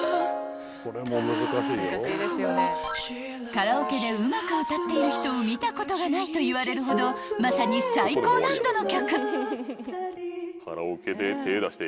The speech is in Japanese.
［カラオケでうまく歌っている人を見たことがないといわれるほどまさに最高難度の曲］